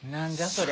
それ。